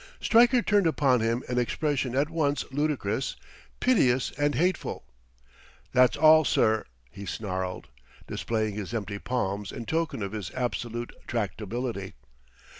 Stryker turned upon him an expression at once ludicrous, piteous and hateful. "That's all, sir," he snarled, displaying his empty palms in token of his absolute tractability.